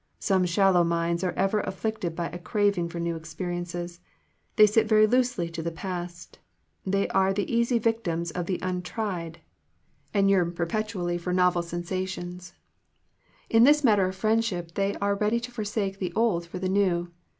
Some shallow minds are ever afflicted by a craving for new experiences. They sit very loosely to the past. They are the easy victims of the untried, and yearn perpetually for 51 Digitized by VjOOQIC THE CULTURE OF FRIENDSHIP novel sensations. In this matter of friendship they are ready to forsake the old for the new.